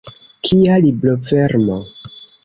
Kia librovermo!